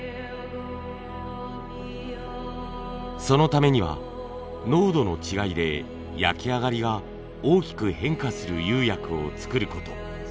そのためには濃度の違いで焼き上がりが大きく変化する釉薬を作ること。